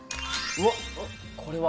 わっこれは？